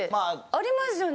ありますよね。